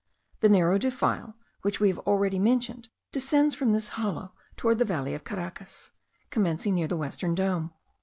The narrow defile which we have already mentioned, descends from this hollow toward the valley of Caracas, commencing near the western dome.